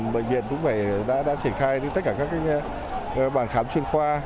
bệnh viện cũng đã triển khai tất cả các bàn khám chuyên khoa